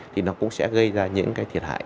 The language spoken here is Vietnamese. thì nó cũng sẽ gây ra những thiệt hại